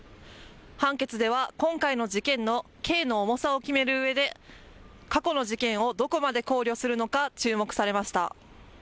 判決では今回の事件の刑の重さを決めるうえで過去の事件をどこまで考慮するのか注目されました。